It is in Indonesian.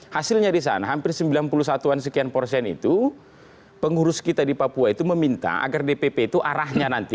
hasilnya di sana hampir sembilan puluh satu an sekian persen itu pengurus kita di papua itu meminta agar dpp itu arahnya nanti